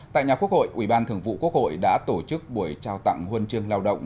tại nhà quốc hội ủy ban thường vụ quốc hội đã tổ chức buổi trao tặng huân chương lao động